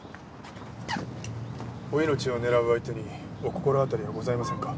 お命を狙う相手にお心当たりはございませんか？